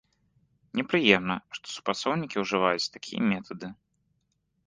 Непрыемна, што супрацоўнікі ўжываюць такія метады.